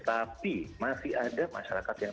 tapi masih ada masyarakat yang